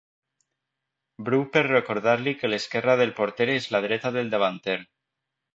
Bru per recordar-li que l'esquerra del porter és la dreta del davanter.